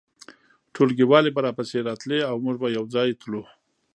ټولګیوالې به راپسې راتلې او موږ به یو ځای تلو